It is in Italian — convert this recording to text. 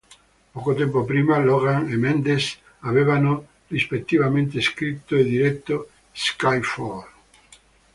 Poco tempo prima, Logan e Mendes avevano rispettivamente scritto e diretto "Skyfall".